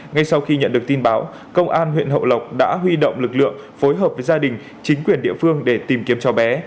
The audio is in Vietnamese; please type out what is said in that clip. ngay sau khi nhận được tin báo công an huyện hậu lộc đã huy động lực lượng phối hợp với gia đình chính quyền địa phương để tìm kiếm cho bé